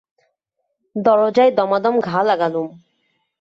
দরজায় দমাদম ঘা লাগালুম।